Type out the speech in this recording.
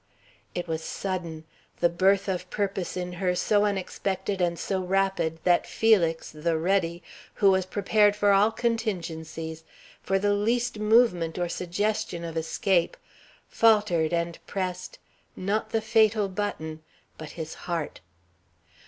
It was sudden; the birth of purpose in her so unexpected and so rapid that Felix, the ready, who was prepared for all contingencies, for the least movement or suggestion of escape, faltered and pressed, not the fatal button, but his heart.